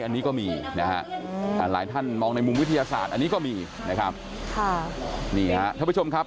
อันนี้ก็มีหลายท่านมองในมุมวิทยาศาสตร์อันนี้ก็มีท่านผู้ชมครับ